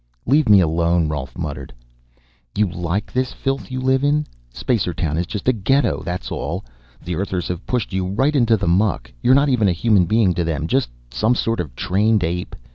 "Leave me alone," Rolf muttered. "You like this filth you live in? Spacertown is just a ghetto, that's all. The Earthers have pushed you right into the muck. You're not even a human being to them just some sort of trained ape.